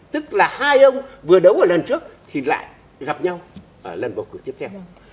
tức là hai ông vừa đấu ở lần trước thì lại gặp nhau ở lần bầu cử tiếp theo